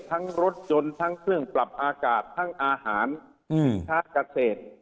ทั้งรถยนต์ทั้งเครื่องปรับอากาศทั้งอาหารสินค้าเกษตร